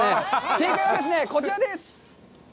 正解はこちらです！